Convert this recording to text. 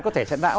có thể sẵn đão